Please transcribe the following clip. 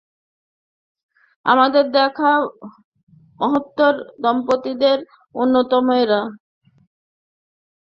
আমার দেখা মহত্তম দম্পতিদের অন্যতম এঁরা।